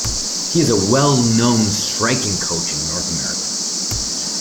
He is a well-known striking coach in North America.